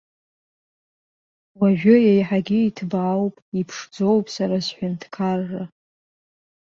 Уажәы еиҳагьы иҭбаауп, иԥшӡоуп сара сҳәынҭқарра.